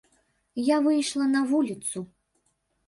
Я выйшла на вуліцу.